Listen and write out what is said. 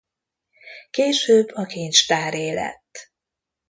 Később a kincstáré lett.